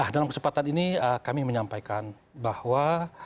dalam kesempatan ini kami menyampaikan bahwa